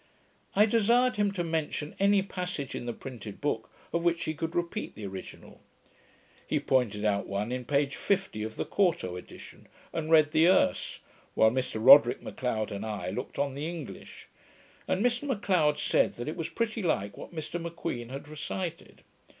I desired him to mention any passage in the printed book, of which he could repeat the original. He pointed out one in page 50 of the quarto edition, and read the Erse, while Mr Roderick M'Leod and I looked on the English; and Mr M'Leod said, that it was pretty like what Mr M'Queen had recited.